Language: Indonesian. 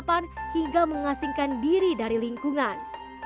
kita bisa menghasilkan diri dari lingkungan